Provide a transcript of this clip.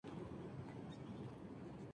Posteriormente se realizó una edición femenina.